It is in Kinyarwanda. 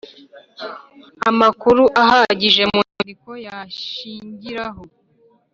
Amakuru ahagije mu nyandiko yashingiraho